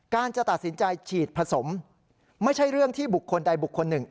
จะตัดสินใจฉีดผสมไม่ใช่เรื่องที่บุคคลใดบุคคลหนึ่ง